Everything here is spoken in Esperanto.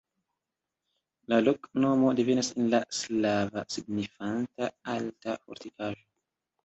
La loknomo devenas el la slava, signifanta: alta fortikaĵo.